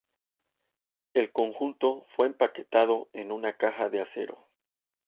El conjunto fue empaquetado en una caja de acero.